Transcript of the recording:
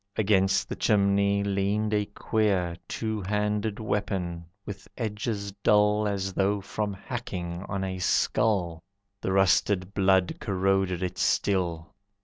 Against the chimney leaned a queer Two handed weapon, with edges dull As though from hacking on a skull. The rusted blood corroded it still.